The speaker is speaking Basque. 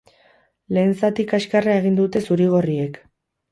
Lehen zati kaskarra egin dute zuri-gorriek.